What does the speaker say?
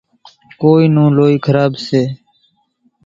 ڪونئين نون لوئي کراٻ سي۔